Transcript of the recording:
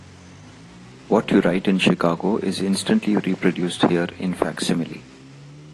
What you write in Chicago is instantly reproduced here in fac-simile.